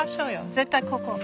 絶対ここ。